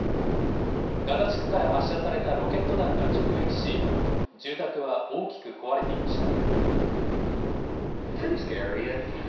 ガザ地区から発射されたロケット弾が直撃し、住宅は大きく壊れていました。